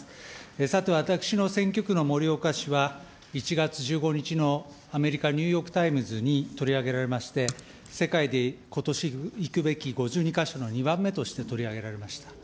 さて、私の選挙区の盛岡市は、１月１５日のアメリカ・ニューヨークタイムズに取り上げられまして、世界でことし行くべき５２か所の２番目として取り上げられました。